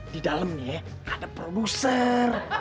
di dalamnya ada produser